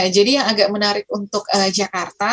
jadi yang agak menarik untuk jakarta